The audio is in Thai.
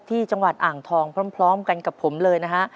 ที่จังหวัดอ่างทองพร้อมกันกับผมเลยนะฮะ